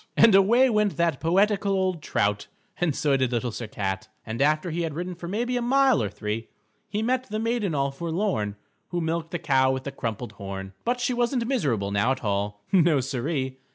_" And away went that poetical old trout, and so did Little Sir Cat, and after he had ridden for maybe a mile or three, he met the Maiden All Forlorn Who Milked the Cow with the Crumpled Horn. But she wasn't miserable now at all. No, Siree.